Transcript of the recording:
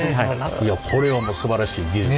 いやこれはもうすばらしい技術